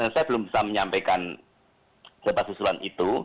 saya belum bisa menyampaikan gempa susulan itu